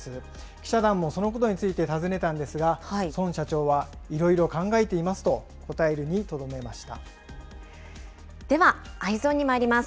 記者団もそのことについて尋ねたんですが、孫社長はいろいろ考えでは、Ｅｙｅｓｏｎにまいります。